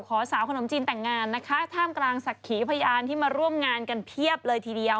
สาวขนมจีนแต่งงานนะคะท่ามกลางศักดิ์ขีพยานที่มาร่วมงานกันเพียบเลยทีเดียว